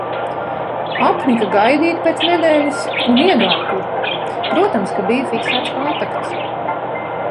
Apnika gaidīt pēc nedēļas un iegāju tur, protams, ka bija fiksēts kontakts.